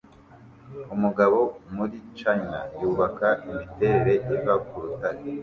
Umugabo muri china 'yubaka imiterere iva ku rutare